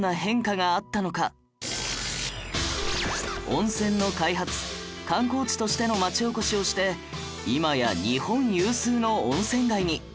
温泉の開発観光地としての町おこしをして今や日本有数の温泉街に